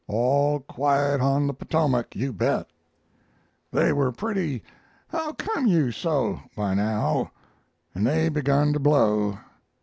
All quiet on the Potomac, you bet! "They were pretty how come you so by now, and they begun to blow.